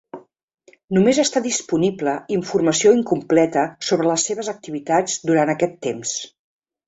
Només està disponible informació incompleta sobre les seves activitats durant aquest temps.